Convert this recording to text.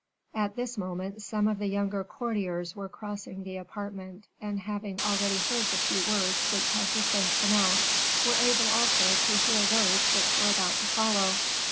At this moment some of the younger courtiers were crossing the apartment, and having already heard the few words which had just been pronounced, were able also to hear those which were about to follow.